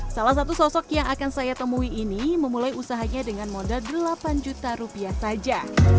salah satu sosok yang akan saya temui ini memulai usahanya dengan modal delapan juta rupiah saja